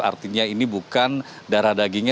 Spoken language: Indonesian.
artinya ini bukan